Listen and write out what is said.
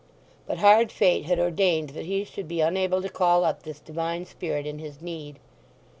But hard fate had ordained that he should be unable to call up this Divine spirit in his need.